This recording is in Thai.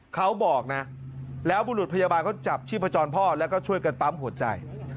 เขาบอกนะแล้วบุรุษพยาบาลก็จับชีพจรพ่อแล้วก็ช่วยกันปั๊มหัวใจ